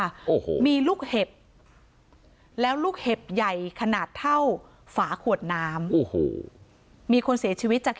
โอ้โหมีลูกเห็บแล้วลูกเห็บใหญ่ขนาดเท่าฝาขวดน้ำโอ้โหมีคนเสียชีวิตจาก